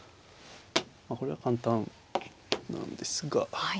まあこれは簡単なんですが。